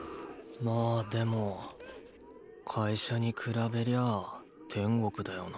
まあでも会社に比べりゃ天国だよな。